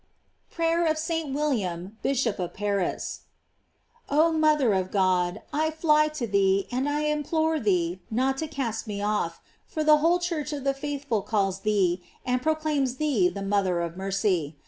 PRAYER OP ST. WILLIAM, BISHOP OP PARIS. OH mother of God, I fly to thee and I im plore thee not to cast me off, for the whole Church of the faithful calls thee, and proclaims thee the mother of mercy.